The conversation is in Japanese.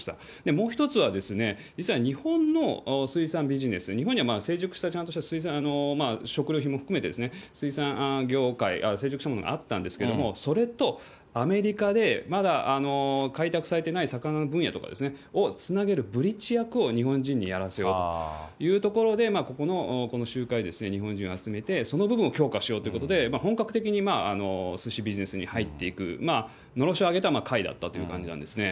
もう１つは、実は日本の水産ビジネス、日本には成熟したちゃんとした水産、食料品も含めて、水産業界、成熟したものがあったんですけれども、それとアメリカで、まだ開拓されてない魚の分野とかをつなげるブリッジ役を日本人にやらせようというところで、ここのこの集会、日本人を集めて、その部分を強化しようということで、本格的にスシビジネスに入っていく、のろしを上げた会だったという感じなんですね。